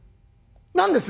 「何です？」。